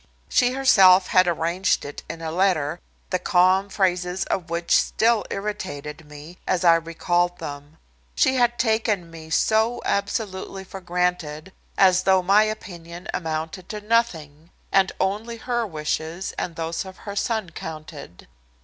She herself had arranged it in a letter, the calm phrases of which still irritated me, as I recalled them. She had taken me so absolutely for granted, as though my opinion amounted to nothing, and only her wishes and those of her son counted.